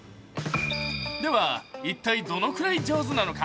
では一体どのくらい上手なのか。